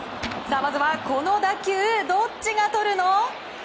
まずはこの打球どっちがとるの？